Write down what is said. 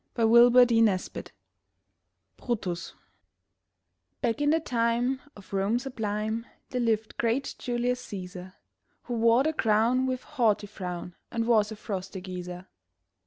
BRUTUS Back in the time of Rome sublime, There lived great Julius Cæsar Who wore the crown with haughty frown And was a frosty geezer.